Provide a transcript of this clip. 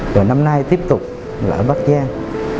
rồi năm nay tiếp tục là ở bắc giang